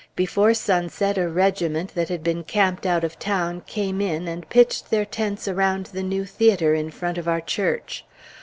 Before sunset a regiment, that had been camped out of town, came in, and pitched their tents around the new theatre, in front of our church.